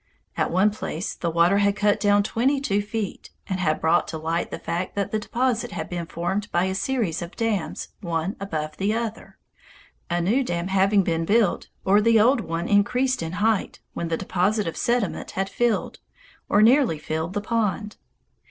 At one place the water had cut down twenty two feet, and had brought to light the fact that the deposit had been formed by a series of dams one above the other, a new dam having been built or the old one increased in height when the deposit of sediment had filled, or nearly filled, the pond.